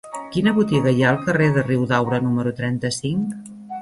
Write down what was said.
Quina botiga hi ha al carrer de Riudaura número trenta-cinc?